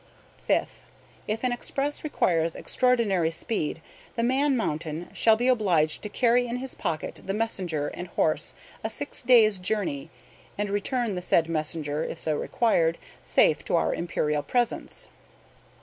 "Fifth. If an express requires extraordinary speed the Man Mountain shall be obliged to carry in his pocket the messenger and horse a six days' journey, and return the said messenger (if so required) safe to our imperial presence.